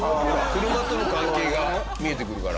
車との関係が見えてくるから。